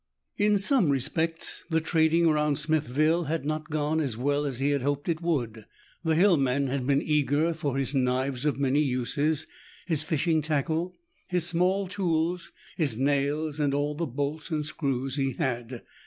In some respects, the trading around Smithville had not gone as well as he had hoped it would. The hill men had been eager for his knives of many uses, his fishing tackle, his small tools, his nails and all the bolts and screws he had.